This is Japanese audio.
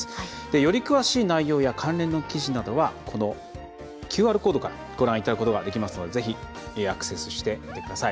より詳しい内容や関連の記事などはＱＲコードからご覧いただくことができますのでぜひアクセスしてください。